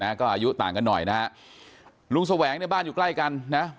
ก็อายุต่างกันหน่อยนะฮะลุงแสวงเนี่ยบ้านอยู่ใกล้กันนะ